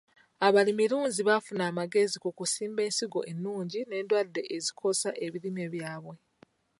Abalimilunzi bafuna amagezi ku kusimba ensigo ennungi n'endwadde ezikosa ebirime byabwe.